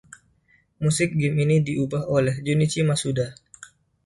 Musik gim ini digubah oleh Junichi Masuda.